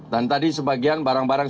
dan tadi sebagian barang barang